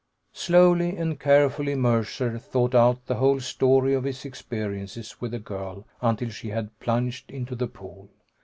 Slowly and carefully Mercer thought out the whole story of his experiences with the girl until she had plunged into the pool.